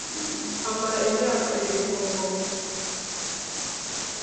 amara imyaka ibiri ku ngoma